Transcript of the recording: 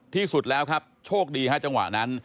ที่สุดแล้วครับโชคดีฮะจังหวะนั้น